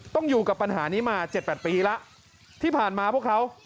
ต้องอยู่กับปัญหานี้มาเจ็ดแปดปีละที่ผ่านมาพวกเขา